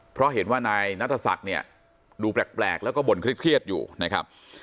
เพราะเห็นว่านายนัทศักดิ์เนี่ยดูแปลกแล้วก็บ่นเครียดอยู่นะครับ